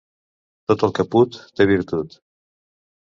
Tot el que put té virtut.